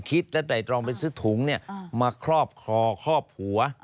คิดและไต่ตรองไปซื้อถุงมาครอบคอครอบหัว